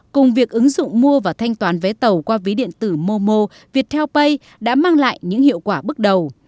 cùng việc ứng dụng mua và thanh toán vé tàu qua ví điện tử momo viettel pay đã mang lại những hiệu quả bước đầu